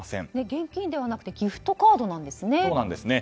現金ではなくてギフトカードなんですね。